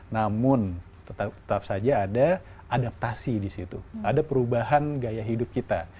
namun tetap saja ada adaptasi di situ ada perubahan gaya hidup kita